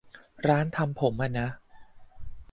ร้านทำผมอ่ะนะ